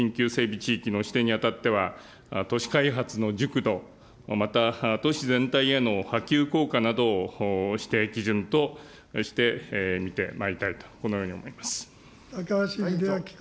地域の指定にあたっては、都市開発の熟度、また都市全体への波及効果などを指定基準としてみてまいりたいと、高橋英明君。